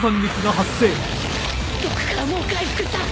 毒からもう回復した！